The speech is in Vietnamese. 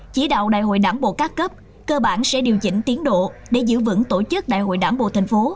chỉ đạo đại hội đảng bộ các cấp cơ bản sẽ điều chỉnh tiến độ để giữ vững tổ chức đại hội đảng bộ thành phố